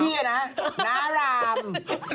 พี่อ่ะนะน้าราม